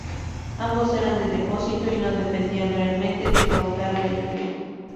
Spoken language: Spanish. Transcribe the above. Ambos eran de depósito y no dependían realmente del caudal del río.